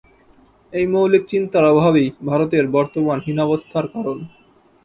এই মৌলিক চিন্তার অভাবই ভারতের বর্তমান হীনাবস্থার কারণ।